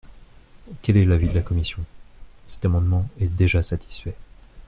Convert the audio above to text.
Quel est l’avis de la commission ? Cet amendement est déjà satisfait.